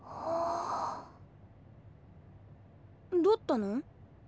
どったの？